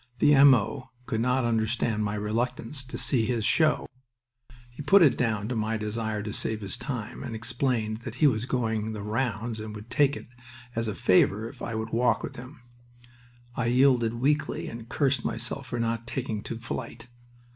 The M.O. could not understand my reluctance to see his show. He put it down to my desire to save his time and explained that he was going the rounds and would take it as a favor if I would walk with him. I yielded weakly, and cursed myself for not taking to flight.